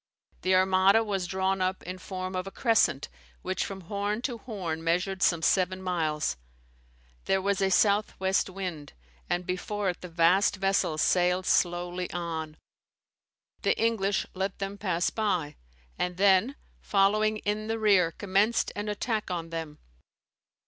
The Armada was drawn up in form of a crescent, which from horn to horn measured some seven miles. There was a south west wind; and before it the vast vessels sailed slowly on. The English let them pass by; and then, following in the rear, commenced an attack on them.